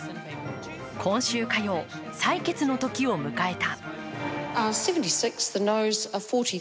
今週火曜、採決の時を迎えた。